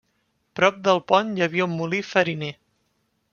Prop del pont hi havia un molí fariner.